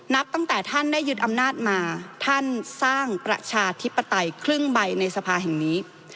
นับตั้งแต่ท่านได้ยึดอำนาจมาท่านสร้างประชาธิปไตยครึ่งใบในสภาแห่งนี้